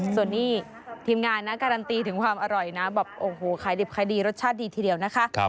ส่วนนี้ทีมงานนะการันตีถึงความอร่อยนะแบบโอ้โหขายดิบขายดีรสชาติดีทีเดียวนะคะ